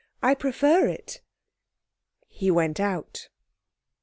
'I prefer it.' He went out.